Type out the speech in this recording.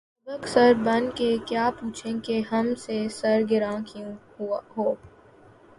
سبک سر بن کے کیا پوچھیں کہ ’’ ہم سے سر گراں کیوں ہو؟‘‘